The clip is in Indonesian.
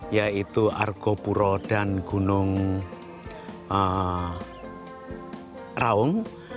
yaitu argo puro dan gunung raung